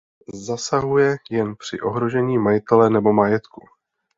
Zasahuje jen při ohrožení majitele nebo majetku.